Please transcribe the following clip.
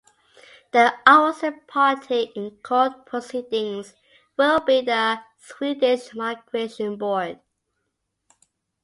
The opposite party in court proceedings will be the Swedish Migration Board.